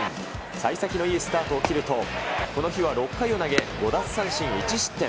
さい先のいいスタートを切ると、この日は６回を投げ、５奪三振１失点。